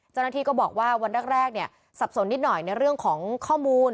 เจ้าหน้าที่ก็บอกว่าวันแรกเนี่ยสับสนนิดหน่อยในเรื่องของข้อมูล